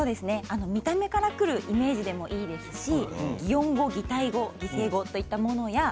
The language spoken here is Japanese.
見た目からくるイメージでもいいですし擬音語、擬態語、擬声語何でもいいですね。